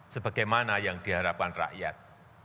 sebagaimana yang diharapkan rakyat